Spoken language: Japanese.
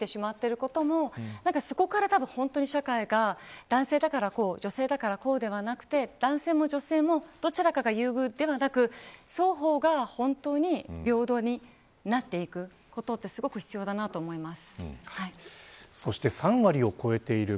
だから女性がこうであるというイメージがついてしまっていることもそこから本当に、社会が男性だからこう、女性だからこうではなくて男性も女性もどちらかが優遇ではなく双方が本当に平等になっていくことって、すごく必要だなと思います。